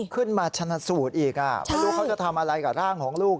ขึ้นมาชนะสูตรอีกไม่รู้เขาจะทำอะไรกับร่างของลูก